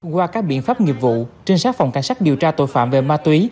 qua các biện pháp nghiệp vụ trinh sát phòng cảnh sát điều tra tội phạm về ma túy